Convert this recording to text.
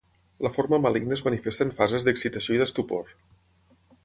La forma maligna es manifesta en fases d'excitació i d'estupor.